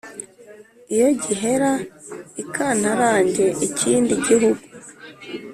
iyo gihera: ikantarange, ikindi gihugu